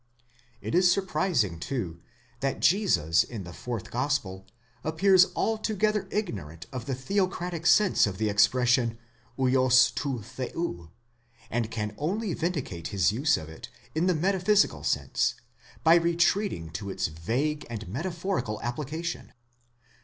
It is surprising, too, that Jesus in the fourth gospel appears altogether ignorant of the theocratic sense of the expression vids τοῦ θεοῦ, and can only vindicate his use of it in the metaphysical sense, by retreating to its vague and metaphorical applica tion.